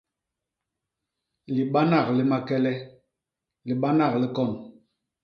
Libanak li makele; libanak li kôñ.